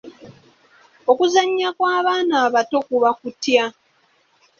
Okuzannya kw’abaana abato kuba kutya?